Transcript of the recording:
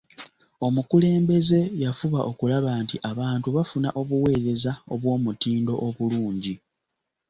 Omukulembeze yafuba okulaba nti abantu bafuna obuweereza obw'omutindo obulungi.